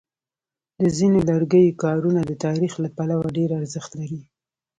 د ځینو لرګیو کارونه د تاریخ له پلوه ډېر ارزښت لري.